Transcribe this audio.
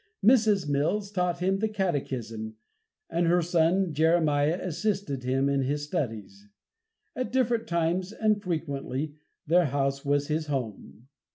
Mrs. Mills taught him the Catechism, and her son Jeremiah assisted him in his studies. At different times, and frequently, their house was his home.